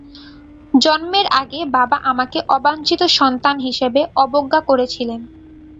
জন্মের আগে, বাবা আমাকে অবাঞ্ছিত সন্তান হিসেবে অবজ্ঞা করেছিল।